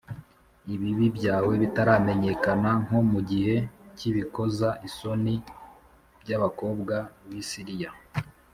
ibibi byawe bitaramenyekana nko mu gihe cy’ibikoza isoni by’abakobwa b’i Siriya